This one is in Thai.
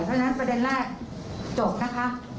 เพราะฉะนั้นประเด็นแรกจบนะคะ